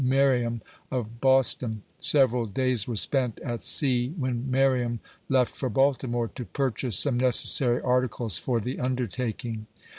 Merriam, of Boston. Several days were spent at C, when Merriam left for Baltimore, to purchase some necessary arti cles for the undertaking.